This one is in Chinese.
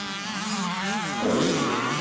坂北站筱之井线铁路车站。